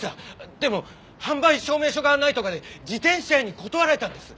でも販売証明書がないとかで自転車屋に断られたんです。